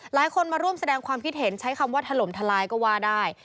หลายคนมาร่วมแสดงความคิดเห็นใช้คำว่าถล่มทลายก็ว่าได้